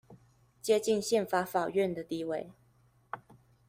接近憲法法院的地位